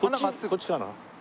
こっちかな？